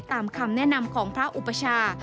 คำแนะนำของพระอุปชา